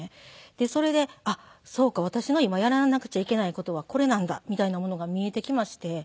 それであっそうか私の今やらなくちゃいけない事はこれなんだみたいなものが見えてきまして。